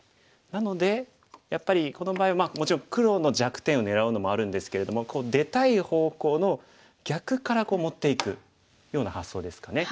なのでやっぱりこの場合はもちろん黒の弱点を狙うのもあるんですけれども出たい方向の逆から持っていくような発想ですかね。